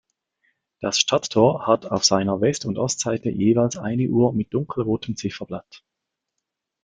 Das Stadttor hat auf seiner West- und Ostseite jeweils eine Uhr mit dunkelrotem Zifferblatt.